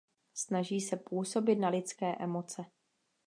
Snaží se působit na lidské emoce.